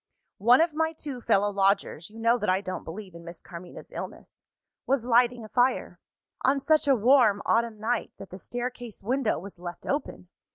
"One of my two fellow lodgers (you know that I don't believe in Miss Carmina's illness) was lighting a fire on such a warm autumn night, that the staircase window was left open!